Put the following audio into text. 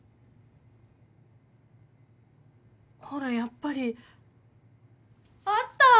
ほらやっぱりあった！